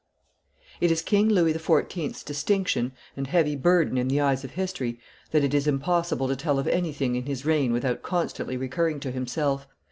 It is King Louis XIV.'s distinction and heavy, burden in the eyes of history that it is, impossible to tell of anything in his reign without constantly recurring to himself.